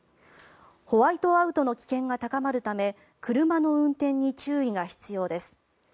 ホワイトアウトの危険が高まるため車の運転に注意が必要です。